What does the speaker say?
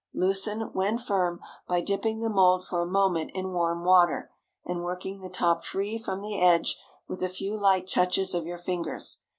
Loosen, when firm, by dipping the mould for a moment in warm water, and working the top free from the edge with a few light touches of your fingers.